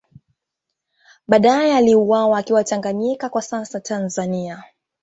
Baadae aliuawa akiwa Tanganyika kwa sasa Tanzania